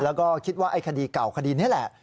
แล้วก็คิดว่าไอ้คดีเก่าคดีนี้แหละ